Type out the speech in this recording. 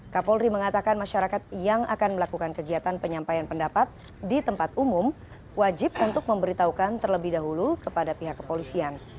kapolri mengatakan masyarakat yang akan melakukan kegiatan penyampaian pendapat di tempat umum wajib untuk memberitahukan terlebih dahulu kepada pihak kepolisian